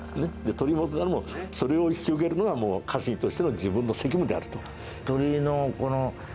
鳥居元忠もそれを引き受けるのが家臣としての自分の責務であると。